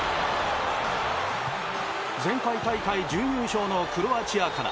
前回大会準優勝のクロアチアから